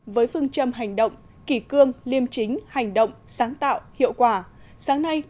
với phương châm hành động kỳ cương liêm chính hành động sáng tạo hiệu quả sáng nay